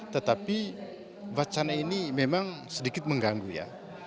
tetapi wacana ini memang sedikit mengganggu ya